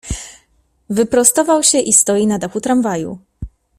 Wyprostował się i stoi na dachu tramwaju.